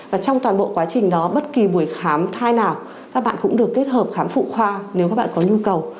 và trong toàn bộ quá trình đó bất kỳ buổi khám thai nào các bạn cũng được kết hợp khám phụ khoa nếu các bạn có nhu cầu